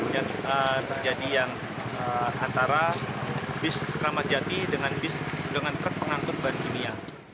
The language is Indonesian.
dan terjadi yang antara bus keramat jati dengan truk pengangkut bahan kimia